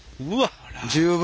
十分。